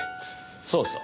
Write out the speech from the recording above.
そうそう。